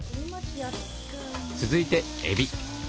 続いてえび。